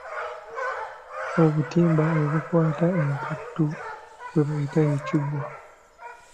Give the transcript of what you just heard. Obutimba obukwata empuuta bwe bayita ekiggwa.